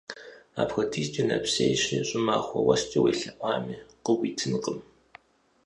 Апхуэдизкӏэ нэпсейщи, щӏымахуэм уэскӏэ уелъэӏуами къыуитынкъым.